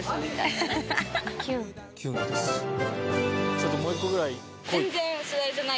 ちょっともう１個ぐらいこい。